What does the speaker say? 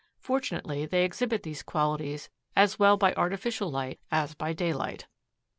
Fortunately they exhibit these qualities as well by artificial light as by daylight. [Illustration: BERYL.